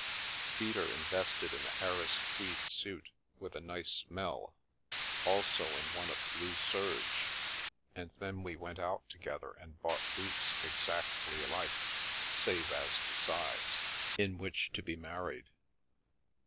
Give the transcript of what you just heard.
Peter invested in a Harris tweed suit with a nice smell, also in one of blue serge, and then we went out together and bought boots exactly alike (save as to size), in 3 2 9 The Milky Way which to be married.